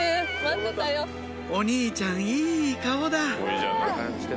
お兄ちゃんいい顔だ！